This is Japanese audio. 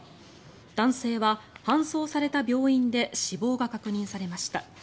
男性は搬送された病院で死亡が確認されました。